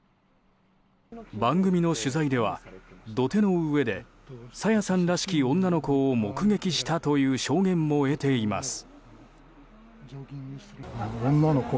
番組の取材では土手の上で朝芽さんらしき女の子を目撃したという証言も得ています。